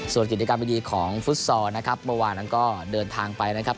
ส่วนกิจกรรมดีของฟุตซอลนะครับเมื่อวานนั้นก็เดินทางไปนะครับ